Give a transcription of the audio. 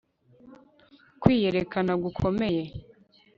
kwiyerekana gukomeye